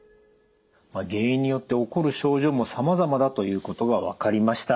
原因によって起こる症状もさまざまだということが分かりました。